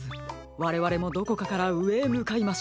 われわれもどこかからうえへむかいましょう。